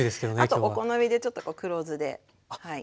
あとお好みでちょっと黒酢で味を締めて。